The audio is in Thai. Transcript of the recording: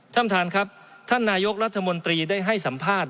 ท่านนายกรัฐมนตรีได้ให้สัมภาษณ์